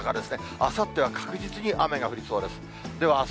あさっては確実に雨が降りそうです。